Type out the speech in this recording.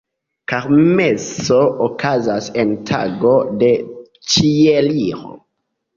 Kermeso okazas en tago de Ĉieliro.